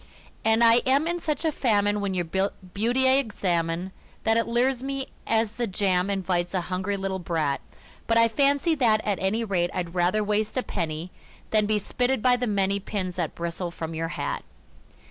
And I am in such a famine when your beauty I examine That it lures me as the jam invites a hungry little brat; But I fancy that, at any rate, I'd rather waste a penny Than be spitted by the many pins that bristle from your hat.